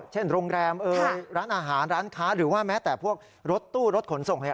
เช่นโรงแรมร้านอาหารร้านค้าหรือว่าแม้แต่พวกรถตู้รถขนส่ง